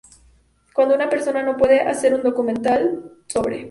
Cuando una persona no puede hacer un documental sobre